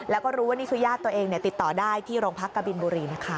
แล้วก็รู้ว่านี่คือญาติตัวเองติดต่อได้ที่โรงพักกะบินบุรีนะคะ